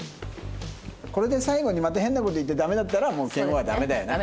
これで最後にまた変な事言ってダメだったらもう拳王はダメだよな。